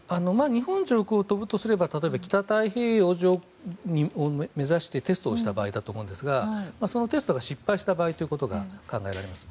日本上空を飛ぶとすれば例えば、北太平洋上を目指してテストをした場合だと思うんですがそのテストが失敗した場合が考えられます。